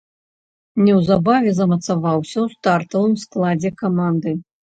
Неўзабаве замацаваўся ў стартавым складзе каманды.